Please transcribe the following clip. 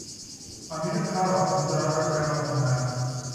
А не ја карав ниту рака кренав на неа.